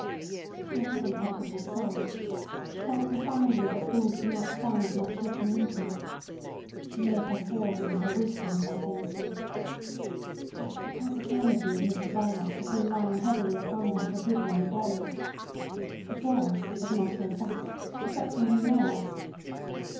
She had an equable soul. She felt profoundly that things do not stand much looking into. She made her force and her wisdom of that instinct. But the taciturnity of Mr Verloc had been lying heavily upon her for a good many days. It was, as a matter of fact, affecting her nerves.